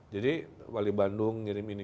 jadi wali bandung ngirim ini